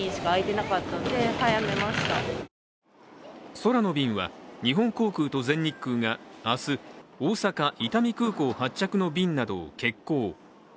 空の便は、日本航空と全日空が明日、大阪・伊丹空港発着の便などを欠航。